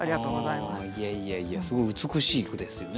いやいやいやすごい美しい句ですよね。